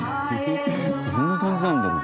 どんな感じなんだろう？